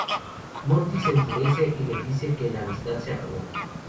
Monty se enfurece y le dice que la amistad se acabó.